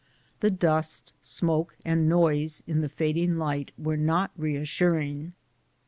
The dust, smoke, and noise in the fading light were not re assuring.